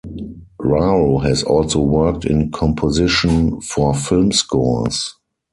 Rao has also worked in composition for film scores.